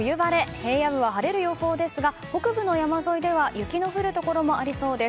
平野部は晴れる予報ですが北部の山沿いでは雪の降るところもありそうです。